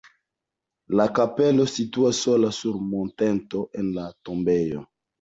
La kapelo situas sola sur monteto en la tombejo.